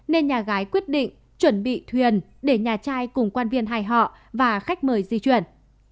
nên nhà gái quyết định chuẩn bị thuyền để nhà trai cùng quan viên hai họ và khách mời di chuyển